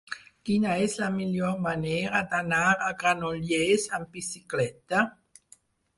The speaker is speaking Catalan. Quina és la millor manera d'anar a Granollers amb bicicleta?